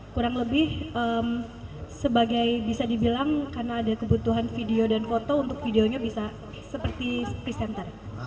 kurang lebih sebagai bisa dibilang karena ada kebutuhan video dan foto untuk videonya bisa seperti presenter